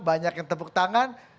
banyak yang tepuk tangan